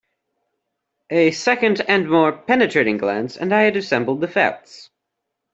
A second and more penetrating glance and I had assembled the facts.